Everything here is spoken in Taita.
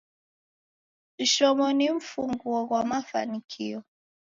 Ishomo ni mfunguo ghwa mafanikio.